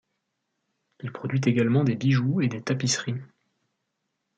Il produit également des bijoux et des tapisseries.